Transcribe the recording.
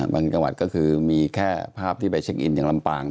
จังหวัดก็คือมีแค่ภาพที่ไปเช็คอินอย่างลำปาง